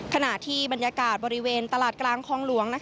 ขณะที่บรรยากาศบริเวณตลาดกลางคลองหลวง